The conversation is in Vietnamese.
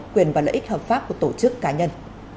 quyền và lợi ích hợp pháp của tổ chức cá nhân